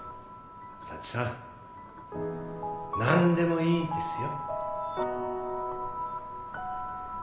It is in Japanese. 佐知さん何でもいいんですよ。